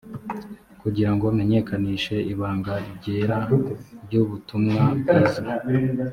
kugira ngo menyekanishe ibanga ryera ry ubutumwa bwiza